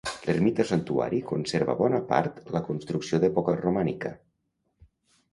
L'ermita o santuari conserva bona part la construcció d'època romànica.